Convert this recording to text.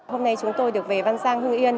hôm nay chúng tôi được về văn giang hưng yên